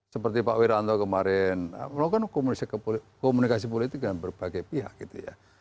seperti pak wiranto kemarin melakukan komunikasi politik dengan berbagai pihak gitu ya